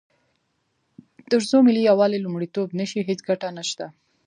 تر څو ملي یووالی لومړیتوب نه شي، هیڅ ګټه نشته.